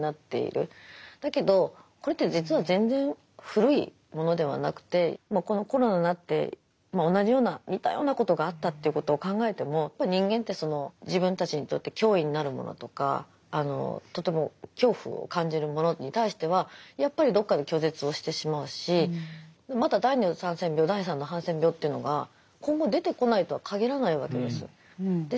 だけどこれって実は全然古いものではなくてこのコロナになって同じような似たようなことがあったということを考えてもやっぱり人間ってその自分たちにとって脅威になるものとかとても恐怖を感じるものに対してはやっぱりどこかで拒絶をしてしまうしまた第２のハンセン病第３のハンセン病というのが今後出てこないとは限らないわけです。